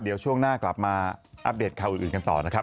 เดี๋ยวช่วงหน้ากลับมาอัปเดตข่าวอื่นกันต่อนะครับ